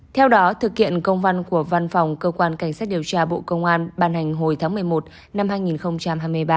theo đó thực hiện công văn của văn phòng cơ quan cảnh sát điều tra bộ công an ban hành hồi tháng một mươi một năm hai nghìn hai mươi ba